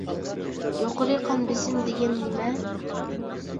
يۇقىرى قان بېسىم دېگەن نېمە؟